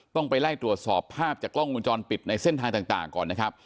ต้องไปไล่ตรวจสอบภาพจากกล้องวงจรปิดในเส้นทางต่างก่อนนะครับ